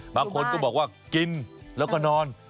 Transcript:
บางคนก็บอกว่ากินแล้วก็นอน